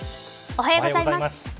おはようございます。